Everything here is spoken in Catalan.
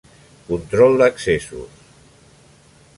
Control d'Accessos.